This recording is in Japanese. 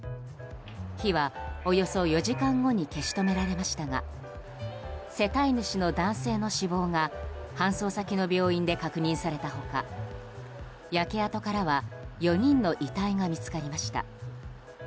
火はおよそ４時間後に消し止められましたが世帯主の男性の死亡が搬送先の病院で確認された他焼け跡からは４人の遺体が見つかりました。